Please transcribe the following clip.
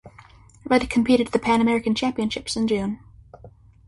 Rutty competed at the Pan American Championships in June.